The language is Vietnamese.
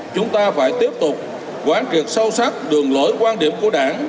chúng ta phải tiếp tục quán triệt sâu sắc đường lối quan điểm của đảng